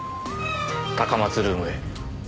高松ルームへ。